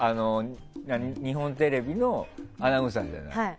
日本テレビのアナウンサーじゃない。